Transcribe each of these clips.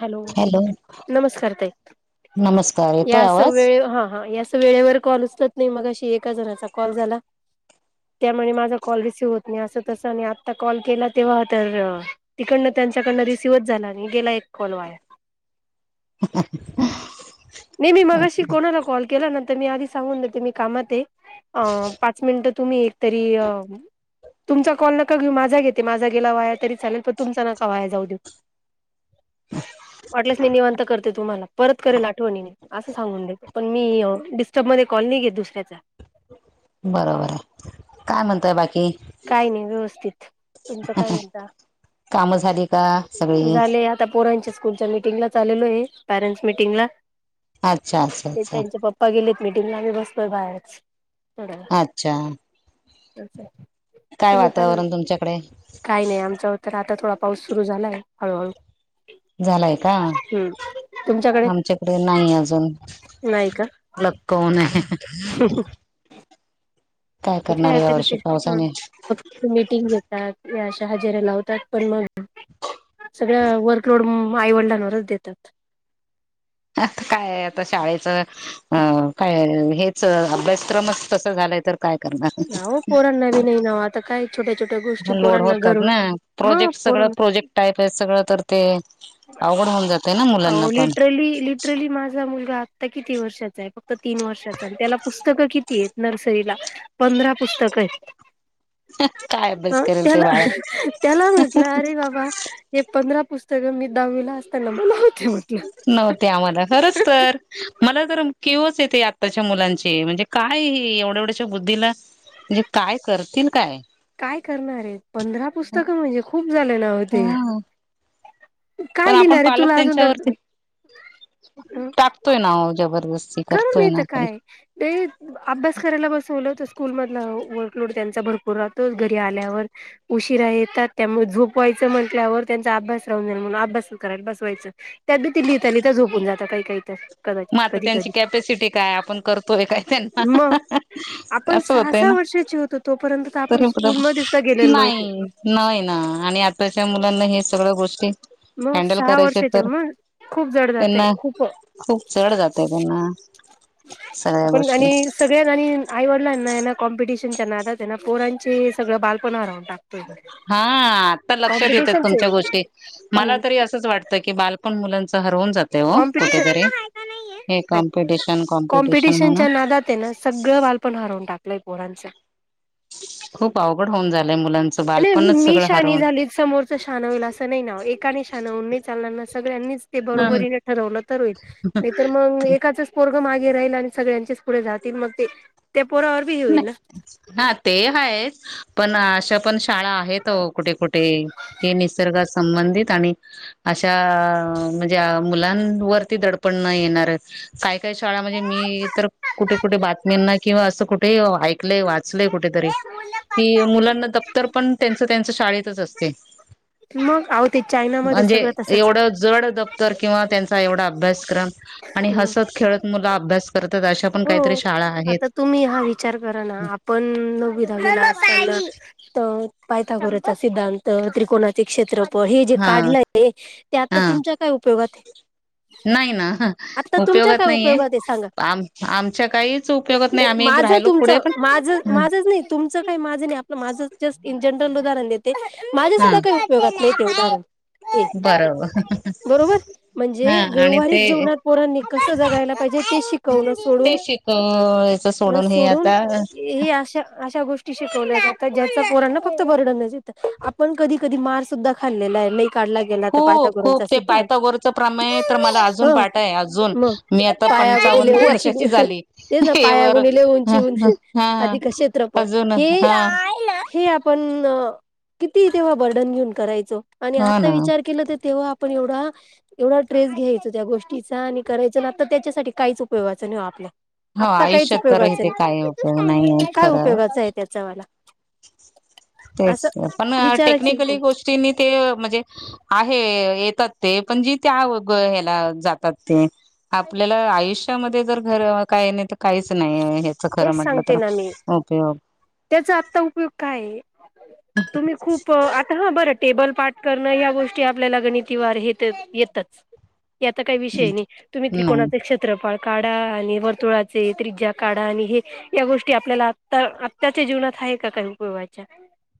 Hello नमस्कार ताई नमस्कार या येतोय अस आवाज वेळेव हा हा या. वेळेवर कॉल उचलत नाही मघाशी एका जणाचा कॉल झाला. त्यामुळे माझा कॉल रिसिव होत नाही अस तस आणि आता कॉल केला तेव्हा तर तिकडन. त्यांच्याकडन रिसीव्हच झाला नाही गेला एक कॉल वाया. [inaudible] नाही मी मगाशी कोणाला कॉल केला ना? तर मी आधी सांगून देते मी कामात आहे अ पाच मिनिट तुम्ही एकतरी अ. तुमचा कॉल नका घेऊ माझा घेते माझा गेला व्हाया तरी चालेल पण तुमचा नका वाया जाऊ देऊ. वाटलेस मी निवांत करते तुम्हाला परत करेन. आठवणीने असं सांगून देते पण मी डिस्टर्ब मध्ये कॉल नाही घेत दुसऱ्याचा. बरोबर हाय काय म्हणताय बाकी? काय नाइ व्यवस्थित तुमचा काय मुद्दा? कामं झाली का सगळी झालेय आता पोरांच्या स्कूलच्या मीटिंगला चाललेलो आहे पॅरेंट्स मिीटिंगला. अच्छा अच्छा ते अच्छा त्यांचे पप्पा गेलेत मिीटिंगला आम्ही बसलोय बाहेरच. थोड्या अच्छा. तुम्ही काय म्हणता वातावरण तुमच्याकडे काय नाय आमच होत रा आता थोडा पाऊस सुरू झालाय हळूहळू. झालाय का? हम्म तुमच्याकडे आमच्याकडे नाही अजून. नाही का लकोणे हहहह. [inaudible] ते पावसाने फक्त मिीटिंग घेतात. या अशा हजेऱ्या लावतात पण मग सगळ्या वर्कलोड म म आईवडिलांवरच देतात. त्यात काय आता शाळेच अ काय. हेच अभ्यासक्रमच तस झालय तर. काय करणार नाव पोरांना नवीन हाय नाव आता काय छोट्या. छोट्या गोष्टी लोड पोरांना होतात घरून ना मग प्रोजेक्ट सगळं पोरांना प्रोजेक्ट टाईप आहे सगळं तर ते आऊ अहो लिटरली लिटरली माझा मुलगा. आता किती वर्षाचा हाय फक्त तीन वर्षाचा आणि त्याला पुस्तकं किती हाईथ नर्सरीला. पंधरा पुस्तक आहेत. काय अभ्यास ह करेल ते त्याला बाळा त्याला म्हंटलं अरे बाबा हे पंधरा पुस्तक. सगं मी दहावीला. असताना मला होते म्हटलं नव्हते आम्हाला खरच तर मला. तर कीवच येते आत्ताच्या मुलांचे म्हणजे काय हे एवढ्या एवढ्यशा बुद्धीला म्हणजे काय करतील काय? काय करणारय पंधरा पुस्तकं म्हणजे खूप झाले ना होते हा पण आपण पालक त्यांच्यावरती दडपण टाकतोय ना जबर. करून येत काय ते अभ्यास करायला बस बोलवतच. स्कूल मधला वर्कलोड त्यांचा भरपूर राहतोय घरी आल्यावर उशिरा येतात त्यामुळे झोपवाईच तर म्हंटल्यावर त्यांचा अभ्यास राहून जाईल म्हणून अभ्यासच करायला बसवायचं त्यात बी ते लिहिता लिहिता झोपून जात जातात काही काही तर. कदाचित कधी कधी. कप्यासिटी काय आपण करतोय काय त्यांना मग हह हा आपण असं सहा होतय ना? सहा वर्षाचे होतो तोपर्यंत तर आपण तरी परत स्कूलमध्ये सुद्धा गेलेलो नव्हतो नाही, नाइ ना आणि आताच्या मुलांना हे सगळं गोष्टी. मग हँडल सहा करायचे वर्षाच्या तर मग खूप जड जातय त्यांना खूप. खूप चड जातय त्यांना सगळ्या आपण गोष्टी आणि सगळ्यात आणि आईवडलांना यांना, कॉम्प त्यांना पोरांचे सगळं बालपण रा हा आता लक्षात येतात कॉम्पिटिशनच तुमच्या आहे गोष्टी मला हम्म तरी असंच वाटत. बाल पण मुलां हे कॉम्पिटिशन कॉम्पिटिशन कॉम्पिटिशन म्हणून कॉम्पिटिशनच्या नादात ना सगळं बालपण हरवून टाकत. आप पोढाचा [inaudible] खूप अवघड होऊन जाई. नाही मी शानी झाली समोरच शान होईल असं नाही ना एकाने शान होून मी चालणार ना सगळ्यांनी हा नाही रा आणि सगळ्यां पु जात मग ते पोरावर बी हे होईल ना हा ते हाच पण अशा पण शाळा आहेत कुठे कुठे हे निसर्गा संबंधित आणि अशा म्हणजे मुलांवरती दडपण नाही येणार काय काय शाळा म्हणजे मी तर कुठे कुठे बातम्यांना किंवा असं कुठे ऐकलंय वाचलय कुठेतरी कि मुलांना दप्तर पण त्यांच त्यांच शाळेतच असते. मग आहो ते चायनामध्ये म्हणजे सगळं तसंच एवढं जड दफ्तर किंवा त्यांचा एवढा अभ्यासक्रम आणि आहे. हसत खेळत मुला अभ्यास तात अशा पण काहीतरी शाळा आहेत आप झा [inaudible] पायथगोरचा सिद्धांत त्रिकोणाचे क्षेत्र, प हे जे हा काढलंय ते आता हा तुमच्या काय उपयोगात आहे नाही ना ह आता तुमच्या उपयोगात काय नाहीये आहे सांगा आम आमच्या काहीच उपयोगात नाही आम्ही एक माझ राहिलो तुमच पुढे पण माझ माझंच नाही तुमचं काही माझं नाही आपलं माझं जस्ट इंज ण दे माझे हा सुा काही उपयगात उदा बरोबर [inaudible] बरोबर म्हणजे हा आणि ते व्यवहारिक जीवनात पोरांनी कस जगायला पाहिजे ते शिकव ते शिकवायचं हे सोडून आता हे अशा अशा ग फक् बर्ड आपण कधी कधी मार सुधा खाल् [inaudible] खूप खूप ते पायता गोरच प्रमा तर मला अजून ह पाठा आहे अजून मी आता पंचावन्न वर्ष हेच ना पाया गुणी ललेहनचीिवन ह हा अधिक क्ेत्रपट अजून हे हा हे आपण किती तेव्हा बर्डन घेऊन करायचो आणि हो आता ना विचार केला तर तेव्हा आपण एवढ एवढा एवढा ट्रेस घ्यायच त्या गोष्टीचा आणि करायच ना तर त्याच्यासाठी काहीच उपयोगाचं नाही आपल्याला, हो आता काहीच आयुष्यात तर उपयोगाचं इथे काही उपयोग नाहीये नाही काय खरं उपयोगाचं आहे त्याच्या वाला तेच पण विचारायची टेक्निकली गोष्टीनी ते म्हणजे आहे. तात ते पण जी त्या ह्याला जातात ते आपल्याला आयुष्यामध्ये जर घर काय नाही तर काहीच नाही आहे. तेच सांगते ना मी, त्याचा आत्ता उपयोग काय तुम्ही खूप आता हा बरं टेबल पाठ करणं या गोष्टी आपल्याला गणितीवार हे येतच. याचा काही विषय नाही तुम्ही नाही त्रिकोणाचे क्षेत्रफळ काढा आणि वर्तुळाचे त्रिज्या काढा. आणि हे... या गोष्टी आपल्याला आता, आताच्या जीवनात हाये का काही उपयोगाच्या?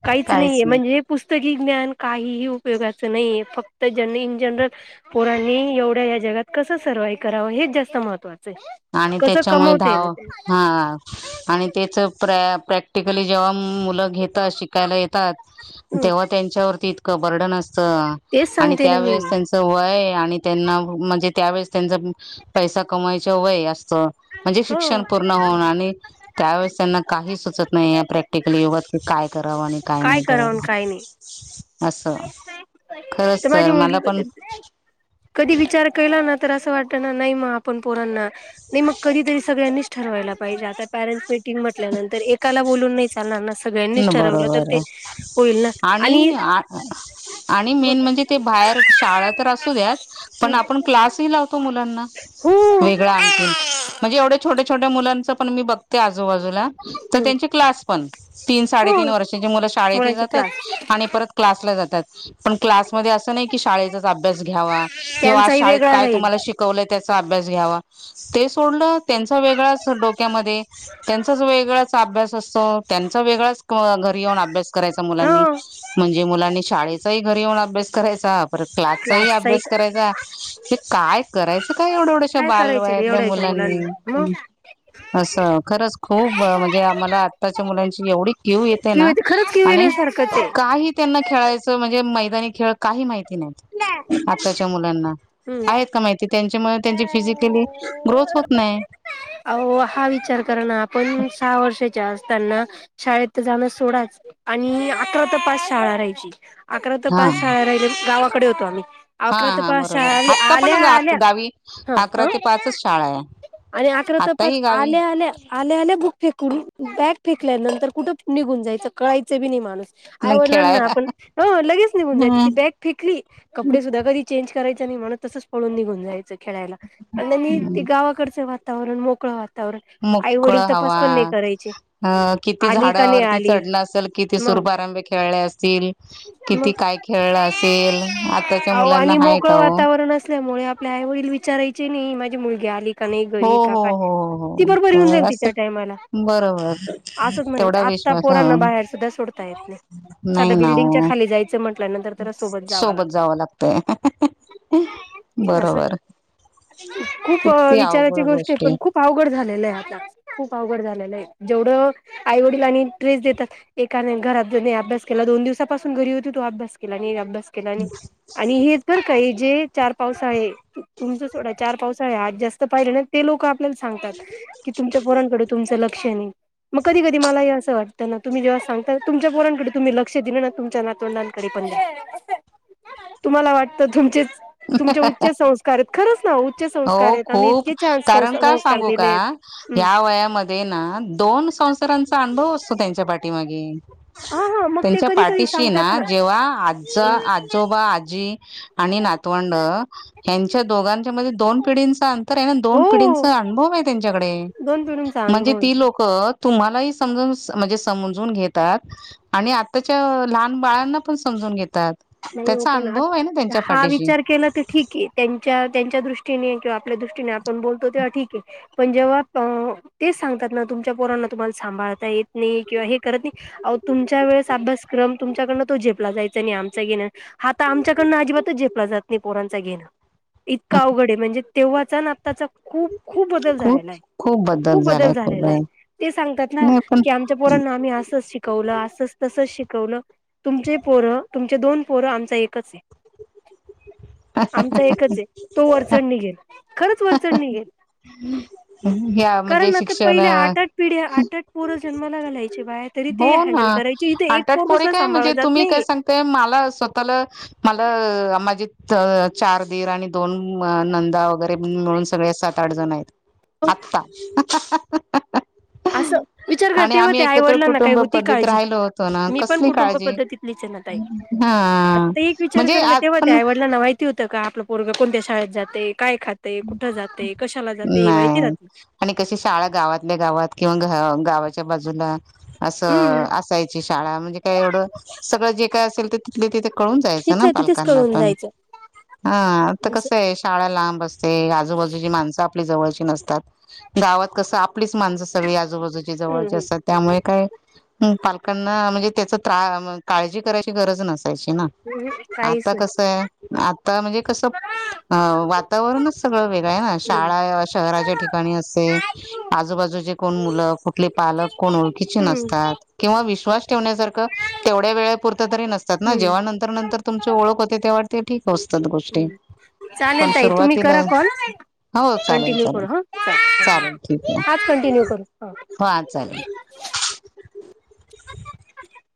काहीच नाहीये म्हणजे पुस्त की ज्ञान काहीही उपयोगाचं नाहीए फक्त ज्यांनी इन जनरल पोरांनी एवढ्या ह्या जगात कसं सर्व्हाईव करावं हेच जास्त महत्वाचं ए, आणि कसं त्याच्यामुळे कमवते धाव हा आणि तेचं प्रॅ प्रॅक्टिकली जेव्हा मुलं घेतात शिकायला येतात हम्म तेव्हा त्यांच्यावरती इतकं बर्डन असं तं तेच आणि सांगते ना मी. त्यावेळेस त्यांचं वय आणि त्यांना म्हणजे त्यावेळेस त्यांच पैसा कमवायच वय अस म्हणजे हो शिक्षण पूर्ण होऊन आणि त्यावेळेस त्यांना काही सुचत नाही प्रॅक्टिकल युगात की काय करावं आणि काय नाही कराव आणि करावं. काय नाही असं खरंच माझी तर मला पण मुलगी कधी विचार केला ना तर अस वाटतं ना नाही मग आपण पोरांना. नाही मग कधी तरी सगळ्यांनीच ठरवायला पाहिजे आता पॅरेंट्स मीटिंग म्हटल्यानंतर एकाला बोलून नाही चालणार ना. सगळ्यांनीच ठरवलं तर बरोबर ते आहे होईल ना आणि आणि मेन म्हणजे ते बाहेर शाळा तर असू द्यात पण आपण क्लासही लावतो मुलांना. हो वेगळां आणखीन म्हणजे एवढे छोटे छोट्या मुलांच पण मी बघते आजूबाजूला तर त्यांची क्लास पण. तीन हो साडेतीीन वर्षांची मुलं शाळेतही मुलांचे जातात क्लास आणि परत क्लासला जातात. पण क्लासमध्ये असं नाही की शाळेचाच अभ्यास घ्यावा किंवा आज त्यांचाही शाळेत वेगळा काय राहील तुम्हाला शिकवलं अभ्यास घ्यावा ते सोडला. त्याचा वेगळाच डोक्यामध्ये. त्याचा वेगळाच अभ्यास असतो त्या त्याचा वेगळाच घरी येऊन अभ्यास करायचा मुलांनी हो म्हणजे मुलांनी शाळेचाही घरी येऊन अभ्यास करायचा परत क्लासचाही अभ्यास करायचा हे काय करायचं काय एवढ्या एवढ्याशा काय करायचं रे बालवायातल्या एवढ्याच्या मुलां ने मुलांना मग अस. खरच खूप म्हणजे आम्हाला आताच्या मुलाँची एवढी कीव येते किव ना खरंच किव आणि येण्यासारखंच आहे. काही त्यांना खेळायच म्हणजे मैदाणी खेळ काही माहिती नाहीत आताच्या मुलांना हम्म आहेत का माहिती? त्यांच्यामुळे त्यांची फिजिकली ग्रोथ होत नाही. अहो हा विचार करा ना आपण सहा वर्षाच्या असताना शाळेत तर जाणं सोडाच आणि अकरा ते पाच शाळा राहायची. अकरा ते हा पाच शाळा राहिली. गावाकडे होतो आम्ही. हा अकरा ते हा पाच बरोबर शाळा आल्या आता पण आल्या आल्या गावी अकरा ते ह पाचच शाळा आहे. आणि अकरा त पाच आताही गावी आल्या आल्या आल्या आल्या बुक फेकुण बॅग फेकल्यानंतर कुठं निघून जायचं कळायचं बी नाही मला. आई न वडलांना खेळायला आपण हो लगेच निघून जायच ती बॅग फेकली कपडे सुद्धा कधी चेंज करायच नाही. म्हणून तसच पळून निघून जायचं खेळायला पण त्यांनी ते हम्म गावाकडचं वातावरण मोकळं वा वरण आई मोकळ वडील तपास हवा पण नाही करायचे. अ किती आली का नाही झाडावरती आली चढणं असेल किती मग सुरुपारंभ खेळले असतील किती काय खेळलं असेल आताच्या आओ मुलांना आणि हाय मोकळ का हो वातावरण असल्यामुळे आपले आई वडील विचारायचे चे नाही माझी मुलगी आली का नाही हो घरी का हो काय हो ती बरोबर हो येऊन हो जाईल असं तिच्या टाईमाला बरोबर असच म्हणत तेवढा आत्ता विश्वास ह पोरांना बाहेर सुद्धा सोडता येत नाही. साधा नाही ना बिल्डिंगच्या हो खाली जायचं म्हटल सोबत जावं लागतय लागत असं बरोबर. खूप किती अवघड विचाराची गोष्ट आहे गोष्टी पण खूप अवघड झालेलं आहे. खूप अवघड झालेलं आहे जेवढं आई वडील आणि ट्रेस देतात एकाने घरात अभ्यास केला दोन दिवसापासून घरी होती तू अभ्यास केला नाही अभ्यास अभ्यास केला नाही आणि हेच बर का हे जे चार पावसाळे. तुमच सोडा चार पावसाळे आज जास्त पाहिले ना ते लोक आपल्याला सांगतात. कि तुमच्या पोरांकड तुमचं लक्ष नाही मग कधी कधी मला हे असं वाटतं. त्यांना तुम्ही जेव्हा सांगता तुमच्या पोरांकडे तुम्ही लक्ष दिलं ना तुमच्या नातवंडांकडे पण तुम्हाला वाटत तुमचे तुमच्या उच्च संस्कार आहेत खरंच. ना उच्च संस्कार हो आहेत आम्ही खूप इतके छान संस कारण का संस्कार सांगू का दिलेत. हम्म ह्या वयामध्ये ना दोन संसाराचा अनुभव असतो त्यांच्या पाठीमागे. हा हा मग ते त्यांच्या कधी कधी पाठीशीना सांगतात ना. जे आजा आजोबा आजी आणि नातवंड यांच्या दोघांच्या मध्ये दोन पिढींचा अंतर तर आहे ना दोन हो हो पिढींचा अनुभव आहे त्यांच्याकडे दोन पिढींचा म्हणजे अनुभव आहे ती लोक तुम्हालाही समजून म्हणजे समजून घेतात आणि आताच्या लहान बाळांना पण समजून [inaudible] घेतात नाही हो त्याचा पण आ अनुभव आहे ना त्यांच्या हा पाठीशी विचार केला तर ठीक आहे त्यांच्या त्यांच्या दृष्टी किंवा आपल्या दृष्टीने आपण बोलतो तेव्हा ठीके पण जेव्हा तेच सांगतात ना तुमच्या पोरांना सांभाळता येत नाही किंवा हे करत नाही आहोज् तुमच्या वेळेस अभ्यासक्रम तुमच्याकडून तोे झेपला जायचा नाही आ आमच्याकडं अजिबातच झेपला जात नाही पोरांचा घेणं इतकं अवघड आहे म्हणजे तेव्हाचा आणि आत्ताचा खूप खूप बदल खूप झालेला आहे खूप बदल झालाय खूप झालेला आहे ते सांगतात ना नाही पण की आमच्या पोरांना आम्ही असंच शिक शिकवलं अस तसच शिकवलं तुमचे पोरं तुमचे दोन पोरं आमचा एकच आहे आमचा एकच आहे तो वरचढ निघेल खरंच वरचढ निघेल ह्या म्हणजे कारण आता शिक्षण पहिल्या आठ आठ पिढी आठ आठ पोर जन्माला घालायची तरी हो ते ना हँडल करायचे इथे एक आठ-आठ पोरग पोरे सुद्धा काय सांभाळला म्हणजे जमत तुम्ही काय नाही सांगताय मला स्वतःला मला माझे तर चार दीर आणि दोन नंदा वगैरे मिळून सगळे सात आठ जण आहेत आता असं विचार कर तेव्हा ते आईवडिलांना नाही काय कुटुंब होती पद्धतीत काळजी राहिलो होतो ना मी पण कसली कुटुंब काळजी पद्धती पाहिलीय हा आता एक विचारू म्हणजे का आज तेव्हा ते पण आईडलांना माहिती होतं का आपलं पोरग कोणत्या शाळेत जाणार ते जाते हे माहिती नाही राहत आणि कशी शाळा गावातल्या गावात किंवा गावाच्या बाजूला असं हम्म असायची शाळा म्हणजे काय एवढं सगळं जे काय असेल ते तिथल्या तिथे कळून जायचं तिथल्या तिथेच पालकांना कळून पण जायचं ह आता असं कस आहे शाळाला ते आजूबाजूची माणसं आपली जवळची नसतात गावात कसं आपलीच माणसं सगळी आजूबाजूला हम्म जवळचे हम्म असतात त्यामुळे काय ह पालकांना म्हणजे त्याच त्रास काळजी करायची गरज नसते चीना हम्म, काहीच आता नाही कसे आता म्हणजे वातावरण कसं वातावरणच सगळं वेगळं आहे ना, हम्म शाळा शहराच्या ठिकाणी असते. आजूबाजूचे कोण मुलं कुठले पालक कोण ओळखीचे हम्म नसतात किंवा विश्वास ठेवण्यासारखं तेवढ्या वेळेपुरत तरी नसतात ना. हम्म, जेव्हा नंतर नंतर तुमची ओळख होते, तेव्हा ते ठीक असतात गोष्टी हम्म पण चालेल ताई. तुम्ही सुरुवातीला करा कॉल. हो चालेल कंटिन्यू करू चालेल हा. चालेल ठीक आहे हाच कंटिन्यू करू. हा चालेल. [unintelligible]